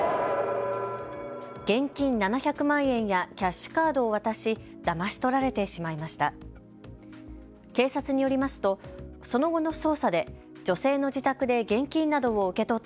現金７００万円やキャッシュカードを渡しだまし取られてしまいました。